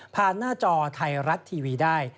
หน้าจอไทยรัฐทีวีได้